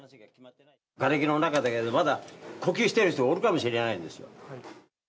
がれきの中で、まだ、呼吸してる人がおるかもしれないんですよ。